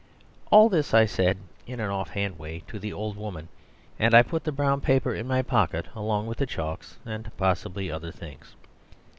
All this I said (in an off hand way) to the old woman; and I put the brown paper in my pocket along with the chalks, and possibly other things.